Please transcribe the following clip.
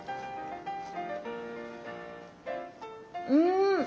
うん。